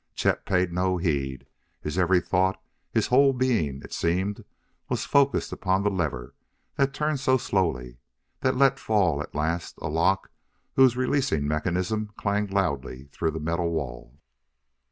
Chet paid no heed; his every thought his whole being, it seemed was focused upon the lever that turned so slowly, that let fall, at last, a lock whose releasing mechanism clanged loudly through the metal wall.